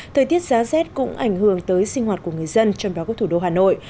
thời tiết giá rét cũng ảnh hưởng tới sinh hoạt của người dân trong đó có thủ đô hà nội